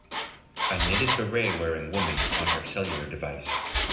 A knittedberet wearing woman on her cellular device.